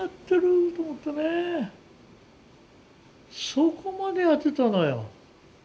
そこまでやってたのよ。